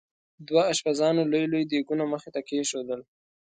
دوه اشپزانو لوی لوی دیګونه مخې ته کېښودل.